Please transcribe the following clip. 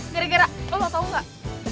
gara gara lo tau gak